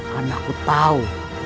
karena aku tahu